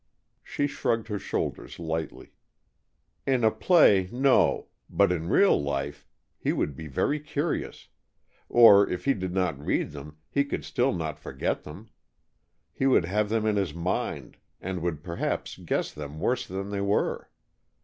She shrugged her shoulders lightly. "In a play, no. But in real life, he would be very curious. Or, if he did not read them, he still could not forget them. He would have them in his mind, and would perhaps guess them worse than they were.